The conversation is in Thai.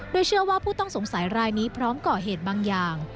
โดยเชื่อว่าผู้ต้องสงสัยรายนี้พร้อมก่อเหตุบางอย่าง